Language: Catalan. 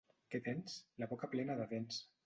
Què tens? —La boca plena de dents.